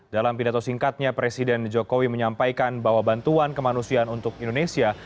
dalam pidato singkatnya presiden jokowi menyampaikan bahwa bantuan kemanusiaan untuk indonesia